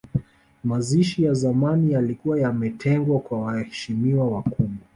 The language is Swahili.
Mazishi ya zamani yalikuwa yametengwa kwa waheshimiwa wakubwa